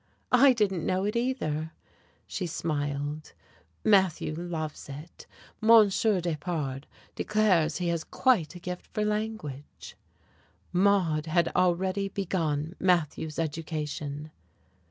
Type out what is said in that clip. "I didn't know it either." She smiled. "Matthew loves it. Monsieur Despard declares he has quite a gift for language." Maude had already begun Matthew's education!